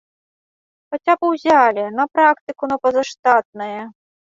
Хаця б узялі, на практыку на пазаштатнае.